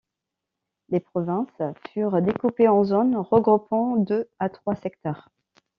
Les provinces furent découpées en zones regroupant deux à trois secteurs.